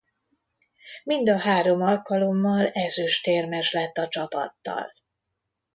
Mind a három alkalommal ezüstérmes lett a csapattal.